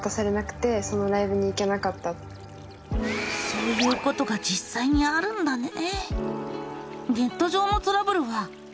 そういうことが実際にあるんだね。